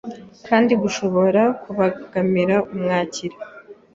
kandi Gushobora kubangamira umwakira